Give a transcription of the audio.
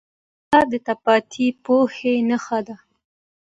کتاب د تلپاتې پوهې نښه ده.